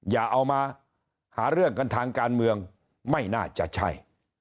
อย่าเอามาหาเรื่องกันทางการเมืองไม่น่าจะใช่